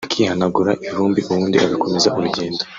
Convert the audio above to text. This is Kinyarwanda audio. akihanagura ivumbi ubundi agakomeze urugendo